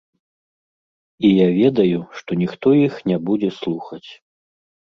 І я ведаю, што ніхто іх не будзе слухаць.